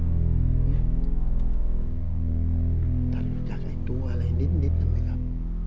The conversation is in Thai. ท่านได้ยังอยากให้จะรู้อะไรนิดน่ะไหมครับ